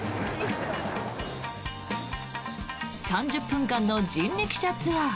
３０分間の人力車ツアー。